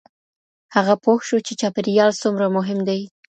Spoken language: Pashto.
هغه پوه شو چې چاپېریال څومره مهم دی.